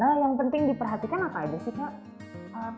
nah yang penting diperhatikan apa aja sih kak